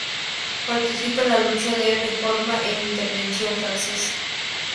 Participó en la lucha de reforma e intervención francesa.